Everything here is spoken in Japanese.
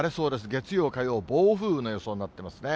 月曜、火曜、暴風の予想になっていますね。